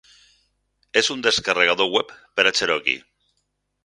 És un descarregador web per a Cherokee.